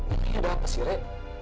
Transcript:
ini ada apa sih rek